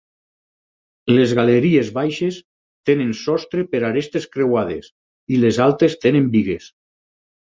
Les galeries baixes tenen sostre per arestes creuades i les altes tenen bigues.